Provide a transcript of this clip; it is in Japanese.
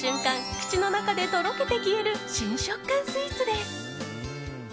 口の中でとろけて消える新食感スイーツです。